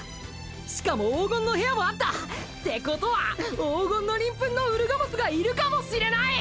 しかも黄金の部屋もあった！ってことは黄金の鱗粉のウルガモスがいるかもしれない！